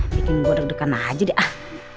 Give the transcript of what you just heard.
bikin gue deg degan aja deh ah